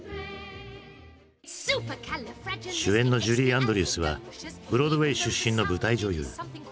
主演のジュリー・アンドリュースはブロードウェイ出身の舞台女優。